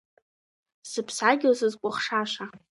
Сыԥсадгьыл сызкәыхшаша.